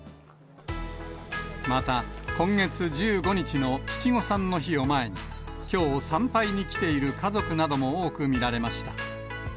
また、今月１５日の七五三の日を前に、きょう参拝に来ている家族なども多く見られました。